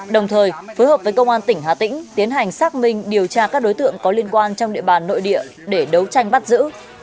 đồng thời phối hợp với công an tỉnh hà tĩnh tiến hành xác minh điều tra các đối tượng có liên quan trong địa bàn nội địa để đấu tranh bắt giữ